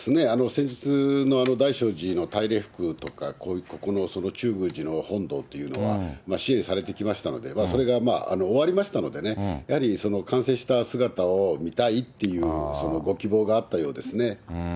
先日の大聖寺の大礼服とか、ここの中宮寺の本堂というのは、支援されてきましたので、それが終わりましたのでね、やはり完成した姿を見たいというご希望があったようですね。